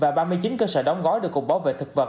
và ba mươi chín cơ sở đóng gói được cục bảo vệ thực vật